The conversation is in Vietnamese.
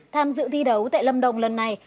tham dự thi đấu tại lâm đồng lần này